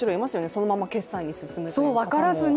そのまま決済に進むという方も。